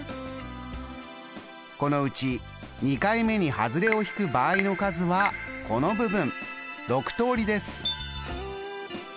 このうち２回目にハズレを引く場合の数はこの部分６通りです。